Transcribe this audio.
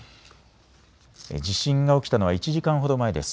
地震が起きたの１時間ほど前です。